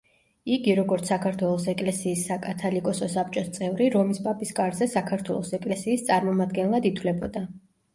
იგი, როგორც საქართველოს ეკლესიის საკათალიკოსო საბჭოს წევრი რომის პაპის კარზე საქართველოს ეკლესიის წარმომადგენლად ითვლებოდა.